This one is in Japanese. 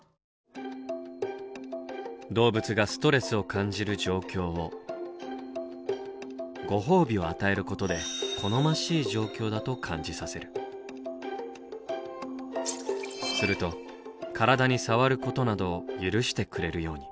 動物がストレスを感じる状況をご褒美を与えることですると体に触ることなどを許してくれるように。